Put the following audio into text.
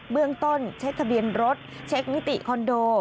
เบื้องต้นเช็คทะเบียนรถเช็คมิติคอนโด